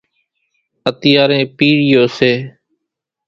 اتيارين پِيرِيو سي۔